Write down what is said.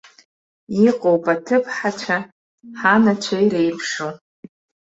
Иҟоуп аҭыԥҳацәа, ҳанацәа иреиԥшу.